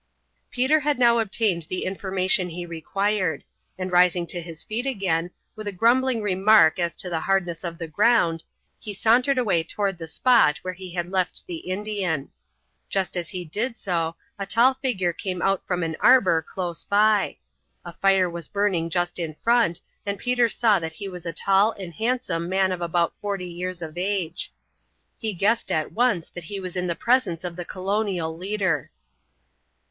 Peter had now obtained the information he required, and rising to his feet again, with a grumbling remark as to the hardness of the ground, he sauntered away toward the spot where he had left the Indian. Just as he did so a tall figure came out from an arbor close by. A fire was burning just in front, and Peter saw that he was a tall and handsome man of about forty years of age. He guessed at once that he was in the presence of the colonial leader.